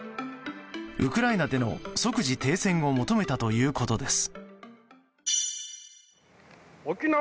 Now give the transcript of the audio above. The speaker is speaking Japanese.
ウクライナでの即時停戦を求めたということです。